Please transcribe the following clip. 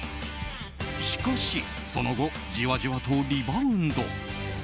しかし、その後じわじわとリバウンド。